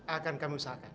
akan kami usahakan